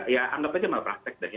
ya anggap aja malpraktek dah ya